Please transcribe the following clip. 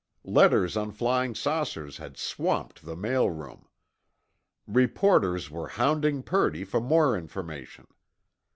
Letters on flying saucers had swamped the mail room. Reporters were hounding Purdy for more information.